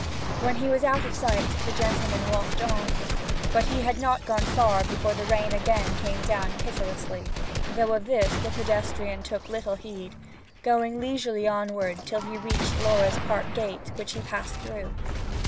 When he was out of sight, the gentleman walked on, but he had not gone far before the rain again came down pitilessly, though of this the pedestrian took little heed, going leisurely onward till he reached Laura's park gate, which he passed through.